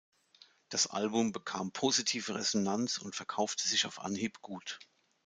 Das Album bekam positive Resonanz und verkaufte sich auf Anhieb gut.